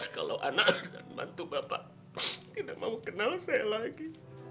kalau anak dengan mantu bapak tidak mau kenal saya lagi